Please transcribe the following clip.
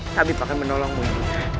tapi pakai menolongmu ibu